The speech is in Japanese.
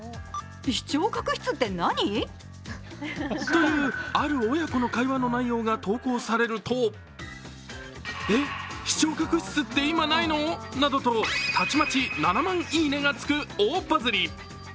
というある親子の会話の内容が投稿されるとえっ、視聴覚室って今、ないの？などとたちまち７万いいねがつく大バズり。